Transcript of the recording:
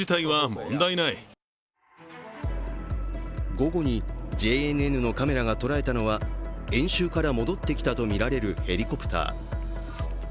午後にＪＮＮのカメラが捉えたのは演習から戻ってきたとみられるヘリコプター。